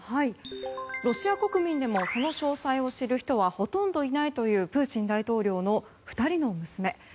ロシア国民でもその詳細を知る人はほとんどいないというプーチン大統領の２人の娘。